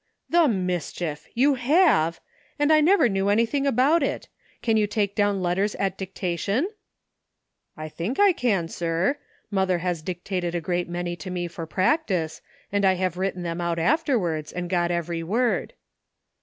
''The mischief! You have! and I never knew anything about it. Can you take down letters at dictation ?"'' I think I can, sir. Mother has dictated a great many to me for practice, and I have writ ten them out afterwards and got every word."